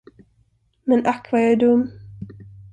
Men ack vad jag är dum!